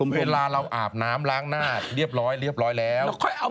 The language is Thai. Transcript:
เวลาเราอาบน้ำล้างหน้าเรียบร้อยเรียบร้อยแล้ว